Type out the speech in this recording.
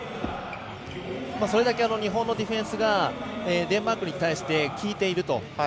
それだけ日本のディフェンスがデンマークに対して効いていると。